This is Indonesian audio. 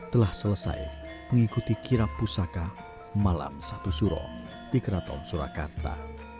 telah selesai mengikuti kirap pusaka malam satu suro di keraton surakarta